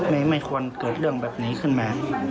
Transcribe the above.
ไม่ควรเกิดเรื่องแบบนี้ขึ้นมา